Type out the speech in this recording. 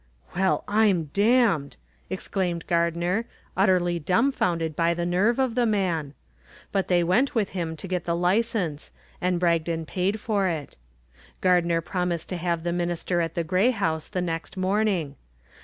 "Well, I'm damned," exclaimed Gardner, utterly dumfounded by the nerve of the man. But they went with him to get the license and Bragdon paid for it. Gardner promised to have the minister at the Gray house the next morning.